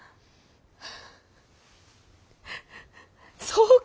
そうか！